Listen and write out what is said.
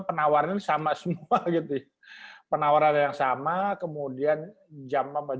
penawaran sama sama etik penawaran yang sama kemudian jaman jaman